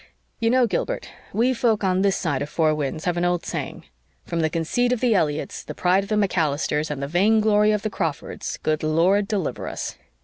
"You know, Gilbert, we folk on this side of Four Winds have an old saying 'From the conceit of the Elliotts, the pride of the MacAllisters, and the vainglory of the Crawfords, good Lord deliver us.'"